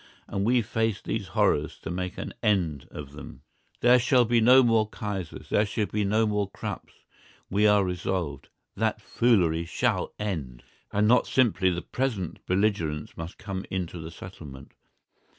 And we face these horrors to make an end of them. There shall be no more Kaisers, there shall be no more Krupps, we are resolved. That foolery shall end! And not simply the present belligerents must come into the settlement.